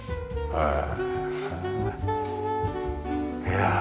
へえ。